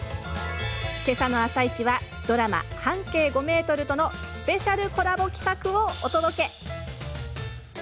けさの「あさイチ」はドラマ「半径５メートル」とのスペシャルコラボ企画をお届け。